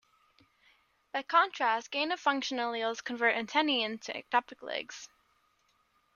By contrast gain-of-function alleles convert antennae into ectopic legs.